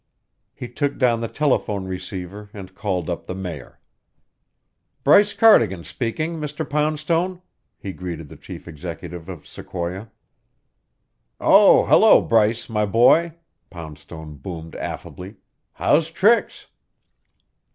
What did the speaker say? He took down the telephone receiver and called up the Mayor. "Bryce Cardigan speaking, Mr. Poundstone," he greeted the chief executive of Sequoia. "Oh, hello, Bryce, my boy," Poundstone boomed affably. "How's tricks?"